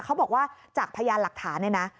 เขาบอกว่าจากพยานหลักฐานเนี่ยนะ